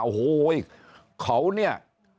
โอ้โฮเว้ยเขาเนี่ย